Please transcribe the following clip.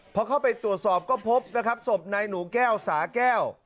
พอเข้าไปตรวจสอบก็พบนะครับศพนายหนูแก้วสาแก้ว